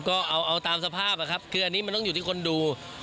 ก็เอาตามสภาพอะครับคืออันนี้มันต้องอยู่ที่คนดู